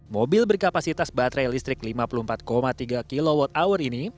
mobil berkapasitas baterai listrik lima puluh empat tiga kwh ini